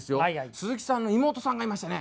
鈴木さんの妹さんがいましてね。